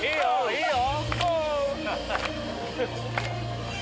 いいよ！